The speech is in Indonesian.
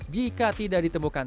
jika tidak ditemukan